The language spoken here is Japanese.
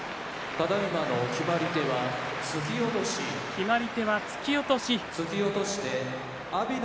決まり手は突き落とし。